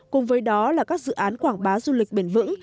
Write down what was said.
cùng với đó là các dự án quảng bá du lịch bền vững